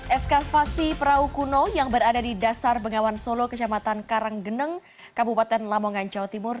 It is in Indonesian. eskavasi perahu kuno yang berada di dasar bengawan solo kecamatan karanggeneng kabupaten lamongan jawa timur